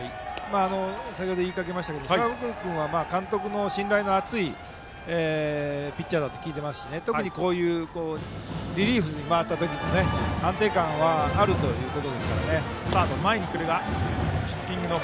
先程、言いかけましたが島袋君は監督の信頼の厚いピッチャーだと聞いていますし特に、こういうリリーフに回った時の安定感はあるということです。